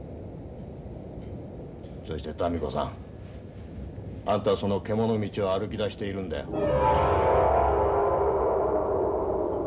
そして民子さん。あんたはそのけものみちを歩きだしているんだよ。